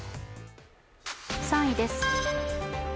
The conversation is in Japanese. ３位です。